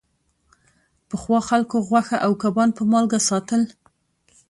پخوا خلکو غوښه او کبان په مالګه ساتل.